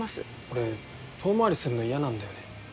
俺遠回りすんの嫌なんだよね。